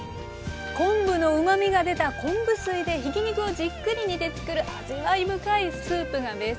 昆布のうまみが出た昆布水でひき肉をじっくり煮て作る味わい深いスープがベースです。